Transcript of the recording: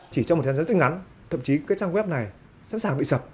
chỉ trong một thời gian rất ngắn thậm chí các trang web này sẵn sàng bị sập